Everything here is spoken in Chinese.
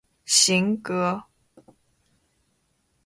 行，哥！